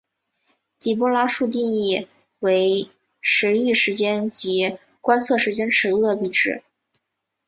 底波拉数定义为驰豫时间及观测时间尺度的比值。